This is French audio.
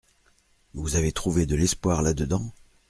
Vous avez trouvé de l’espoir là-dedans ?